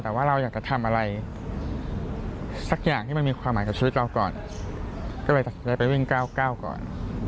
แต่ว่าเราอยากจะทำอะไรสักอย่างที่มันมีความหมายกับชีวิตเราก่อนก็เลยไปวิ่ง๙๙ก่อน